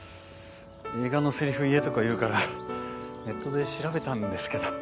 「映画のせりふ言え」とか言うからネットで調べたんですけど。